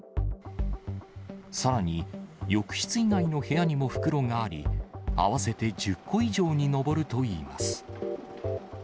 さらに、浴室以外の部屋にも袋があり、合わせて１０個以上に上るといいます。